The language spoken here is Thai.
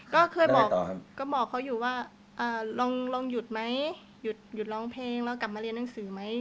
ก็เคยบอกเขาอยู่ว่าลองหยุดมั้ยหยุดร้องเพลงแล้วกลับมาเรียนหนังสือมั้ย